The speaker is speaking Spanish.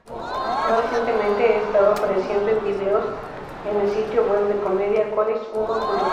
Más recientemente, ha estado apareciendo en videos en el sitio web de comedia, CollegeHumor.com.